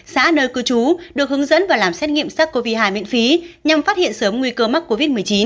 xã nơi cư trú được hướng dẫn và làm xét nghiệm sars cov hai miễn phí nhằm phát hiện sớm nguy cơ mắc covid một mươi chín